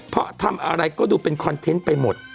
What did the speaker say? เพราะทำอะไรก็ดูเป็นคอนเทนต์ไปหมด